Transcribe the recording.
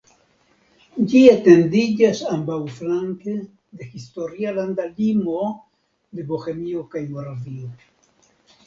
Ĝi etendiĝas ambaŭflanke de historia landa limo de Bohemio kaj Moravio.